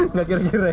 nggak kira kira ya